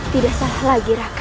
tidak salah lagi raka